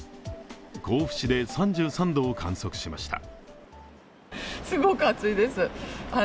甲府市で３３度を観測しました。